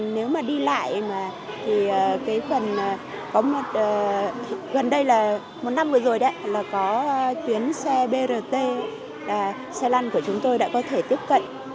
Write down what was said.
nếu mà đi lại mà cái phần có mặt gần đây là một năm vừa rồi đấy là có tuyến xe brt xe lăn của chúng tôi đã có thể tiếp cận